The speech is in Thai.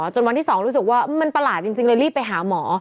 จนวันที่๒รู้สึกว่ามันประหลาดจริงเลยรีบไปหาหมอ